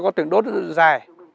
có từng đốt dài